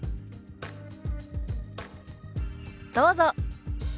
どうぞ。